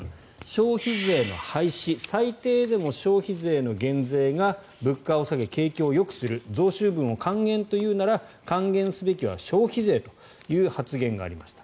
消費税の廃止最低でも消費税の減税が物価を下げ、景気をよくする増収分を還元と言うなら還元すべきは消費税という発言がありました。